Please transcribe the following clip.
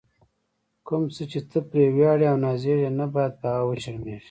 کوم څه چې ته پرې ویاړې او نازېږې، نه باید په هغه وشرمېږې.